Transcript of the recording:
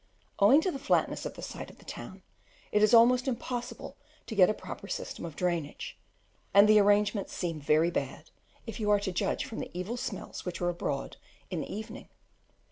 Owing to the flatness of the site of the town, it is almost impossible to get a proper system of drainage; and the arrangements seem very bad, if you are to judge from the evil smells which are abroad in the evening.